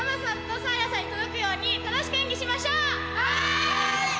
はい！